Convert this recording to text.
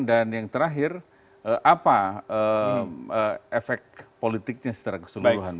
dan yang terakhir apa efek politiknya secara keseluruhan